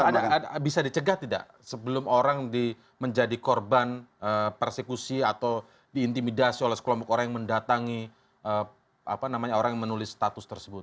tapi bisa dicegah tidak sebelum orang menjadi korban persekusi atau diintimidasi oleh sekelompok orang yang mendatangi orang yang menulis status tersebut